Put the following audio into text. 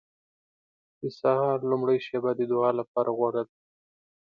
• د سهار لومړۍ شېبه د دعا لپاره غوره ده.